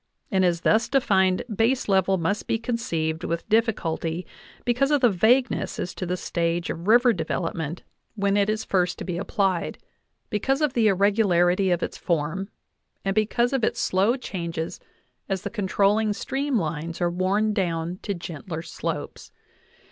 And as thus defined baselevel must be conceived with diffi culty because of the vagueness as to the stage of river devel 32 JOHN WESLEY POWELL DAVIS opment when it is first to be applied, because of the irregu larity of its form, and because of its slow changes as the con trolling stream lines are worn down to gentler slopes.